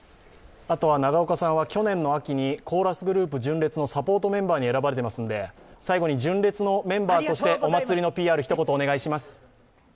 永岡さんは去年の秋にコーラスグループ、純烈のサポートメンバーに選ばれていますので、最後に純烈のメンバーとしてお祭のＰＲ、一言お願いします。